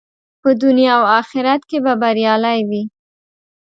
په دنیا او آخرت کې به بریالی وي.